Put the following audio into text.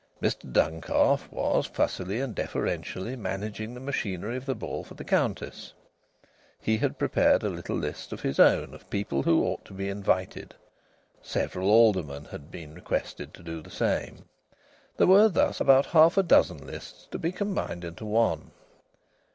Mr Duncalf was, fussily and deferentially, managing the machinery of the ball for the Countess. He had prepared a little list of his own of people who ought to be invited. Several aldermen had been requested to do the same. There were thus about half a dozen lists to be combined into one.